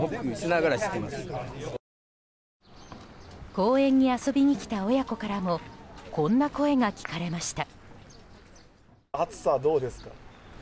公園に遊びに来た親子からもこんな声が聞かれました。